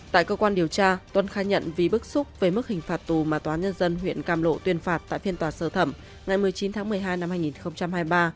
tại cơ quan điều tra tuân khai nhận vì bức xúc về mức hình phạt tù mà tòa nhân dân huyện càm lộ tuyên phạt tại phiên tòa sơ thẩm ngày một mươi chín tháng một mươi hai năm hai nghìn hai mươi ba